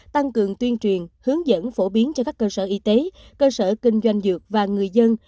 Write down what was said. tăng cường tuyên truyền hướng dẫn phổ biến cho các cơ sở y tế cơ sở kinh doanh dược và người dân